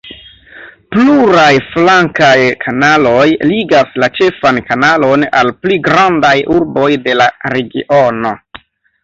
Pluraj flankaj kanaloj ligas la ĉefan kanalon al pli grandaj urboj de la regiono.